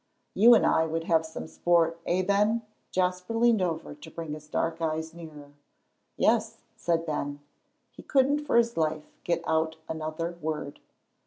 "You and I would have some sport, eh, Ben?" Jasper leaned over to bring his dark eyes nearer. "Yes," said Ben. He couldn't for his life get out another word.